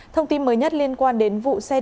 thông tin mới nhất liên quan đến vụ xe